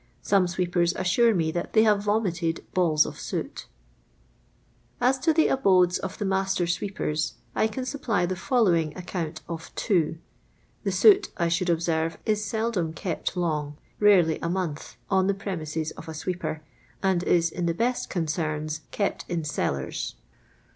Some sweepers assure me that they have vomited balls of soot. As to the ahodes oj the master sire^'pevf, I can supply the following account of two. The soot, I should observe, is seldom kept long, rarely a month, on the premises of a sweeper, and is in the best "concerns" kept in cellars.